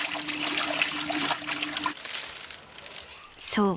［そう。